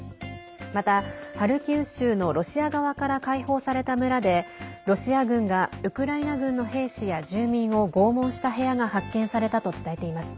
また、ハルキウ州のロシア側から解放された村でロシア軍がウクライナ軍の兵士や住民を拷問した部屋が発見されたと伝えています。